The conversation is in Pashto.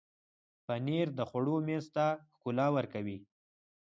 پنېر د خوړو میز ته ښکلا ورکوي.